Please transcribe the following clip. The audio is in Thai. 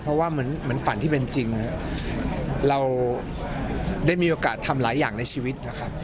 เพราะว่าเหมือนฝันที่เป็นจริงเราได้มีโอกาสทำหลายอย่างในชีวิตนะครับ